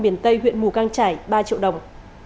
miền tây huyện mù căng trải ba triệu đồng